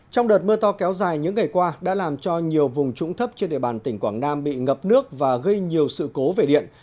trong đợt mưa to kéo dài những ngày qua đã làm cho nhiều vùng trũng thấp trên địa bàn tỉnh quảng nam bị ngập nước và gây nhiều sự cố về điện